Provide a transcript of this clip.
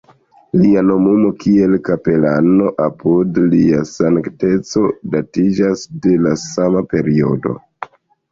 Lia nomumo kiel kapelano apud Lia Sankteco datiĝas de la sama periodo.